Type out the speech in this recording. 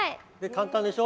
簡単でしょ。